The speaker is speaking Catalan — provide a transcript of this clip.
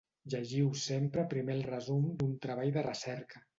Llegiu sempre primer el resum d'un treball de recerca.